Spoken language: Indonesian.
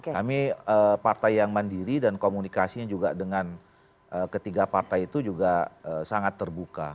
kami partai yang mandiri dan komunikasinya juga dengan ketiga partai itu juga sangat terbuka